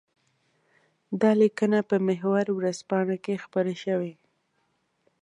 دا لیکنه په محور ورځپاڼه کې خپره شوې.